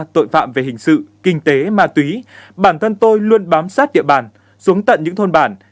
tội phạm về hình sự kinh tế ma túy bản thân tôi luôn bám sát địa bàn xuống tận những thôn bản